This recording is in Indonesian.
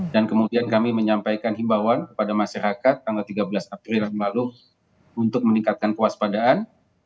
dan kemudian kami menyampaikan himbawan kepada masyarakat tanggal tiga belas april yang lalu untuk meningkatkan kewaspadaan